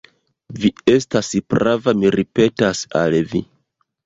Vi estas prava, mi ripetas al vi.